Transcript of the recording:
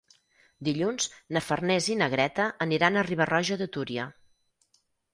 Dilluns na Farners i na Greta aniran a Riba-roja de Túria.